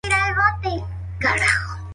Los cefalópodos incluyen pulpo, calamar y sepia.